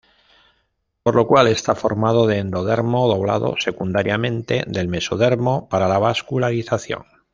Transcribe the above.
Por lo cual está formado del endodermo, doblado secundariamente del mesodermo para la vascularización.